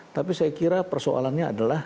tapi saya kira persoalannya adalah